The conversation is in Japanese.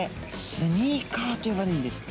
スニーカーと呼ばれるんです。